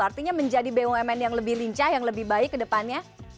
artinya menjadi bumn yang lebih lincah yang lebih baik ke depannya